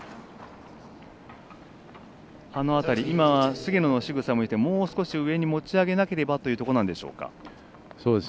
菅野のしぐさを見てもう少し、上に持ち上げなければというところでしょうか。